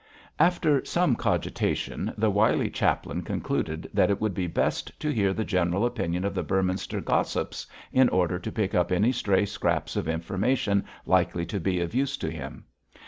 After some cogitation the wily chaplain concluded that it would be best to hear the general opinion of the Beorminster gossips in order to pick up any stray scraps of information likely to be of use to him.